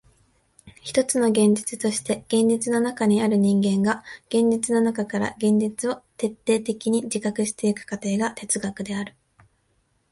ひとつの現実として現実の中にある人間が現実の中から現実を徹底的に自覚してゆく過程が哲学である。